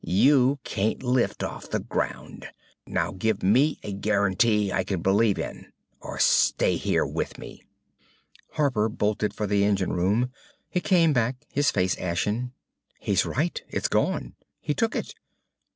You can't lift off the ground! Now give me a guarantee I can believe in or you stay here with me!_" Harper bolted for the engine room. He came back, his face ashen. "He's right. It's gone. He took it."